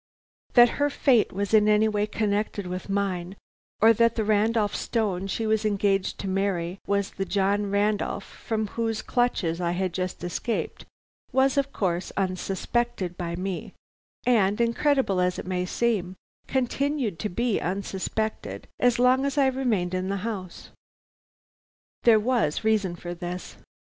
"That her fate was in any way connected with mine, or that the Randolph Stone she was engaged to marry was the John Randolph from whose clutches I had just escaped, was, of course, unsuspected by me, and, incredible as it may seem, continued to be unsuspected as long as I remained in the house. There was reason for this.